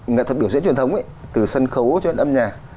nghệ thuật biểu diễn truyền thống ấy từ sân khấu cho đến âm nhạc